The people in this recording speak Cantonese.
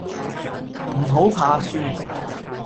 唔好怕輸